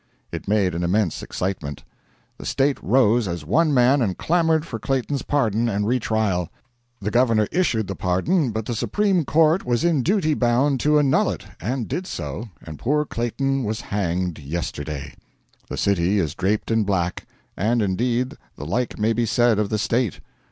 It made an immense excitement; the State rose as one man and clamored for Clayton's pardon and retrial. The governor issued the pardon, but the Supreme Court was in duty bound to annul it, and did so, and poor Clayton was hanged yesterday. The city is draped in black, and, indeed, the like may be said of the State.